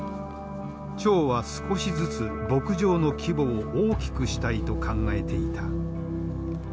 張は少しずつ牧場の規模を大きくしたいと考えていた。